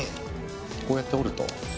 こうやって折ると。